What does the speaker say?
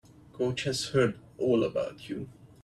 Coach has heard all about you.